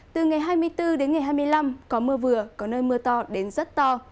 từ ngày hai mươi bốn đến ngày hai mươi năm có mưa vừa có nơi mưa to đến rất to